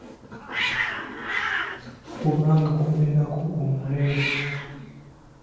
Kubanga kubeerako omuleera.